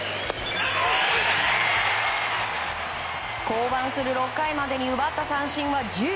降板する６回までに奪った三振は１２。